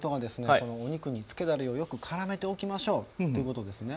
このお肉につけだれをよくからめておきましょうということですね。